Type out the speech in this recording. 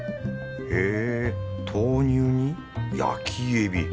へぇ豆乳に焼きえび。